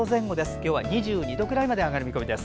今日は２２度くらいまで上がる見込みです。